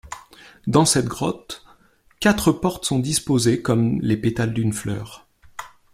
Dans cette grotte, quatre portes sont disposées comme les pétales d'une fleur.